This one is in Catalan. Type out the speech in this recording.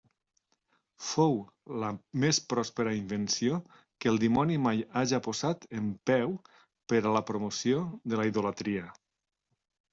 Fou la més pròspera invenció que el dimoni mai haja posat en peu per a la promoció de la idolatria.